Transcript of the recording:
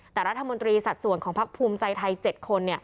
แต่รัฐมนตรีสัดส่วนของพักภูมิใจไทย๗คน